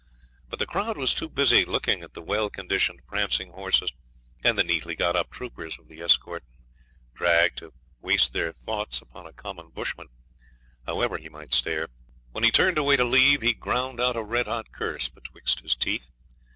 But the crowd was too busy looking at the well conditioned prancing horses and the neatly got up troopers of the escort drag to waste their thoughts upon a common bushman, however he might stare. When he turned away to leave he ground out a red hot curse betwixt his teeth.